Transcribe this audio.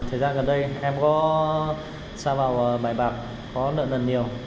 em có sang vào bài bạc có nợ nần nhiều